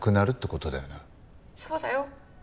そうだよ。